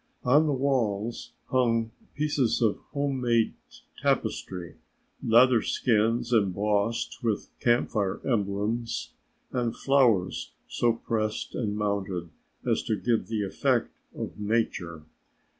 On the walls hung pieces of homemade tapestry, leather skins embossed with Camp Fire emblems, and flowers so pressed and mounted as to give the effect of nature.